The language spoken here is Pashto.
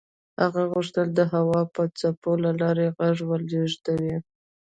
هغه غوښتل د هوا د څپو له لارې غږ ولېږدوي.